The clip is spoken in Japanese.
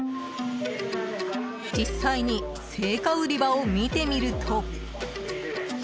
実際に青果売り場を見てみると。